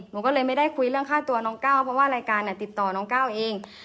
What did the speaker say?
หนูก็เลยไม่ได้คุยเรื่องค่าตัวน้องก้าวเพราะว่ารายการติดต่อน้องก้าวเอง